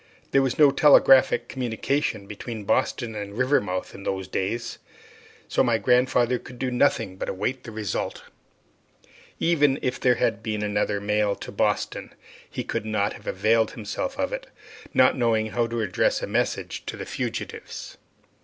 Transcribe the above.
There was no telegraphic communication between Boston and Rivermouth in those days; so my grandfather could do nothing but await the result. Even if there had been another mail to Boston, he could not have availed himself of it, not knowing how to address a message to the fugitives.